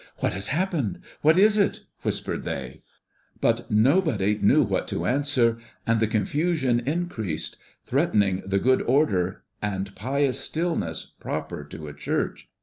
"What has happened? What is it?" whispered they; but nobody knew what to answer, and the confusion increased, threatening the good order and pious stillness proper to a church.